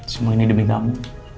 semua ini demi kamu